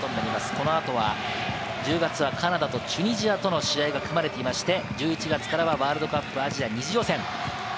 この後は１０月はカナダとチュニジアとの試合が組まれていて、１１月からはワールドカップアジア２次予選。